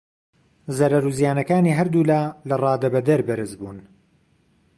زەرەر و زیانەکانی هەردوو لا لە ڕادەبەدەر بەرز بوون.